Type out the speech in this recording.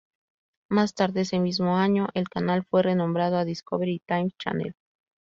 Más tarde ese mismo año, el canal fue renombrado a "Discovery Times Channel".